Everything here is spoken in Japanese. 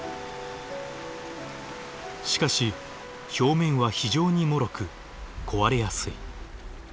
しかし表面は非常にもろく壊れやすい。